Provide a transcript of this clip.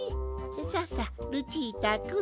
ささルチータくん